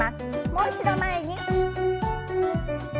もう一度前に。